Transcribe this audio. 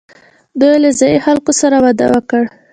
دوی له ځايي خلکو سره واده وکړ